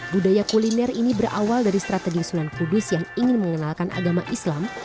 budaya kuliner ini berawal dari strategi sunan kudus yang ingin mengenalkan agama islam